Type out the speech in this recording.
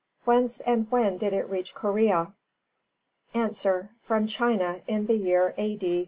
Whence and when did it reach Korea? A. From China, in the year A. D.